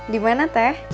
di mana teh